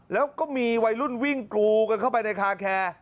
แล้วก็มีวัยรุ่นวิ่งกรูกันเข้าไปในคาแคร์